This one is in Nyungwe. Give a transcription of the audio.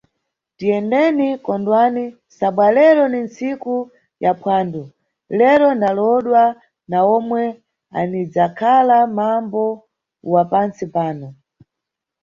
Tiyendeni, kondwani, sabwa lero ni nntsiku ya phwando, lero ndalowodwa na omwe anidzakhala mambo wa pantsi pano.